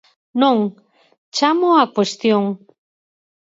Non, chámoo á cuestión.